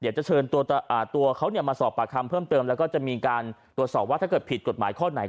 เดี๋ยวจะเชิญตัวเขามาสอบปากคำเพิ่มเติมแล้วก็จะมีการตรวจสอบว่าถ้าเกิดผิดกฎหมายข้อไหน